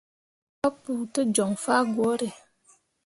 Papou te joŋ fah gwǝǝre.